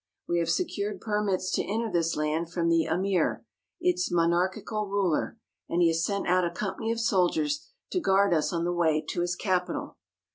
We have secured permits to enter this land from the Amir, its monarchical ruler ; and he has sent out a company of soldiers to guard us on the way to his capital.